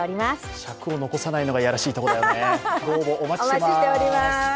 尺を残さないのがいやらしいところだよね。